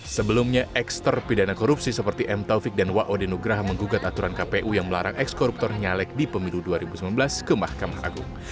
sebelumnya eks terpidana korupsi seperti m taufik dan waodinugrah menggugat aturan kpu yang melarang ekskoruptor nyalek di pemilu dua ribu sembilan belas ke mahkamah agung